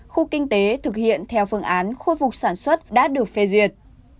khu kinh tế thực hiện theo phương án khôi phục sản xuất đã được phê duyệt